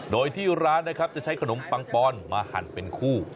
โดยที่ร้านนะครับจะใช้ขนมปังปอนมาหั่นเป็นคู่